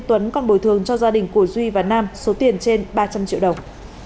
tuấn còn bồi thường cho gia đình của duy và nam số tiền trên ba trăm linh triệu đồng